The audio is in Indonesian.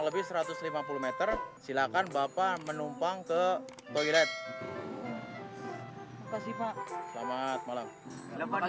lebih satu ratus lima puluh m silahkan bapak menumpang ke toilet masih pak selamat malam selamat ya pak